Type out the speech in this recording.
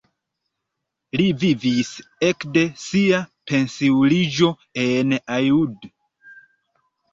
Li vivis ekde sia pensiuliĝo en Aiud.